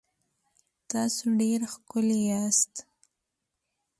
تاسو ډېر ښکلي یاست